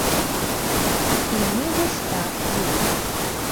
І мы вось так едзем.